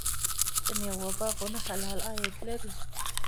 د میوو باغونه حلال عاید لري.